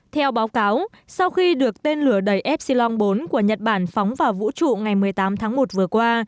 theo báo cáo sau khi được tên lửa đầy epsilom bốn của nhật bản phóng vào vũ trụ ngày một mươi tám tháng một vừa qua